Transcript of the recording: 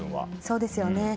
そうですよね。